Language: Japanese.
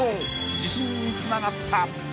自信につながった］